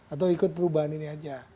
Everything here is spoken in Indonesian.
atau ikut perubahan ini aja